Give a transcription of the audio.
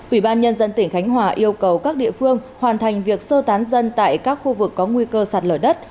ủy ban nhân dân tỉnh khánh hòa yêu cầu các địa phương hoàn thành việc sơ tán dân tại các khu vực có nguy cơ sạt lở đất